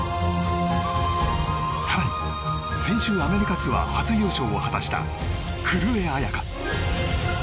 更に先週、アメリカツアー初優勝を果たした古江彩佳。